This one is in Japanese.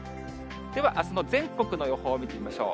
では、あすの全国の予報を見てみましょう。